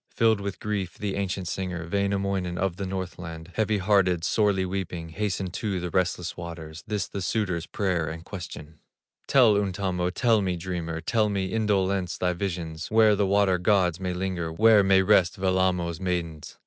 Filled with grief, the ancient singer, Wainamoinen of the Northland, Heavy hearted, sorely weeping, Hastened to the restless waters, This the suitor's prayer and question: "Tell, Untamo, tell me, dreamer, Tell me, Indolence, thy visions, Where the water gods may linger, Where may rest Wellamo's maidens?"